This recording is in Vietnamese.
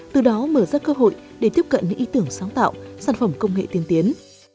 từ đó mở ra cơ hội để tiếp cận những ý tưởng sáng tạo sản phẩm công nghệ tiên tiến